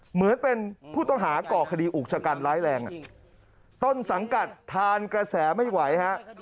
เหมือนเป็นผู้ต้องหาก่อคดีอุกชะกันร้ายแรงต้นสังกัดทานกระแสไม่ไหวฮะ